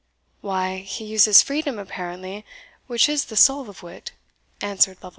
"Why, he uses freedom apparently, which is the soul of wit," answered Lovel.